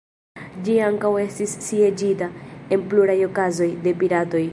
Ĝi ankaŭ estis sieĝita, en pluraj okazoj, de piratoj.